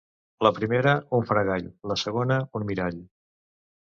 La primera, un fregall; la segona, un mirall.